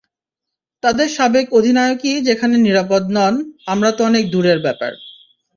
তাদের সাবেক অধিনায়কই যেখানে নিরাপদ নন, আমরা তো অনেক দূরের ব্যাপার।